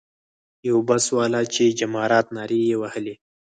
یو بس والا چې جمارات نارې یې وهلې.